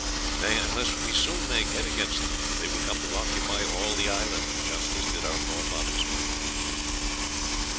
Nay, unless we soon make head against them they will come to occupy all the island, just as did our forefathers."